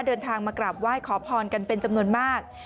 เดินทางมากราบไหว้ขอพรกันเป็นจำนวนมาก